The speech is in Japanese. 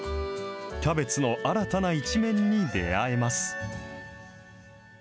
キャベツの新たな一面に出会えます。